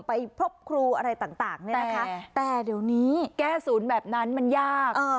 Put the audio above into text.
ไปพบครูอะไรต่างเนี่ยนะคะแต่เดี๋ยวนี้แก้ศูนย์แบบนั้นมันยาก